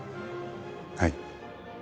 はい。